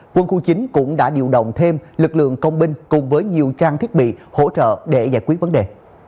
quân khu chín cũng đã điều động thêm lực lượng công binh cùng với nhiều trang thiết bị hỗ trợ để giải quyết vấn đề